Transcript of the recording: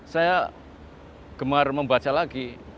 saya gemar membaca lagi